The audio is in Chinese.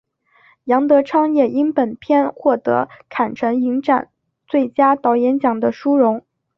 杨德昌也因本片获得坎城影展最佳导演奖的殊荣。